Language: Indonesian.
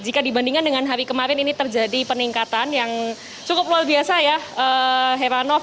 jika dibandingkan dengan hari kemarin ini terjadi peningkatan yang cukup luar biasa ya heranov